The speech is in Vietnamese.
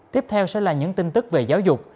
tiếp theo sẽ là những tin tức về giáo dục